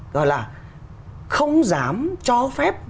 gọi là không dám cho phép